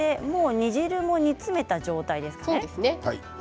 煮汁も煮詰めた状態ですね。